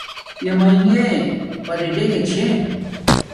پیامینݣ پرڈݣ چھے